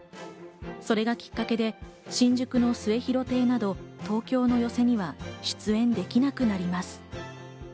それがきっかけで新宿の末廣亭など東京の寄席には出演できなくなります。